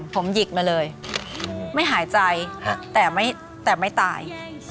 ผมหยิกมาเลยไม่หายใจแต่ไม่ตาย